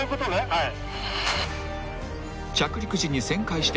はい。